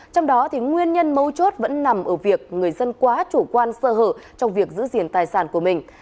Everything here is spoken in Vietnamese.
trong đó nguyên nhân mấu chốt vẫn nằm ở việc người dân quá chủ quan sơ hở trong việc giữ gìn tài sản của mình